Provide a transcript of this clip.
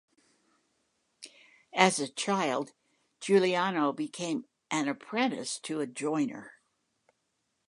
As a child, Giuliano became an apprentice to a joiner.